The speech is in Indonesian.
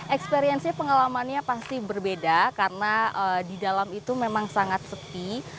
experience pengalamannya pasti berbeda karena di dalam itu memang sangat sepi